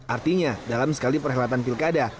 artinya dalam sekali perhelatan pilkada